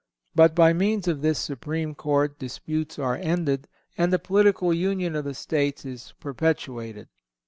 But by means of this Supreme Court disputes are ended, and the political union of the States is perpetuated.